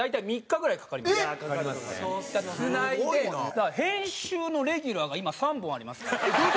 だから編集のレギュラーが今３本ありますから。